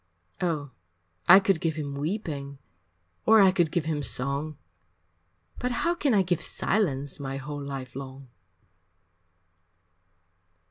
Oh, I could give him weeping, Or I could give him song But how can I give silence My whole life long?